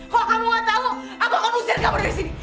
kalau kamu gak tahu aku akan pusing kamu dari sini